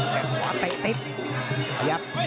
แต่ขวาเตะเตะ